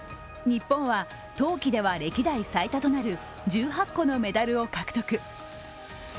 日本は冬季では歴代最多となる１８個のメダルを獲得。